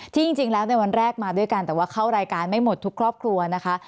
จริงแล้วในวันแรกมาด้วยกันแต่ว่าเข้ารายการไม่หมดทุกครอบครัวนะคะ